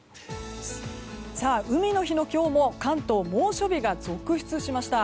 海の日の今日も関東猛暑日が続出しました。